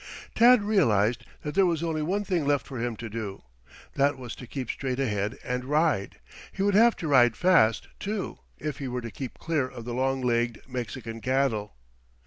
Tad realized that there was only one thing left for him to do. That was to keep straight ahead and ride. He would have to ride fast, too, if he were to keep clear of the long legged Mexican cattle.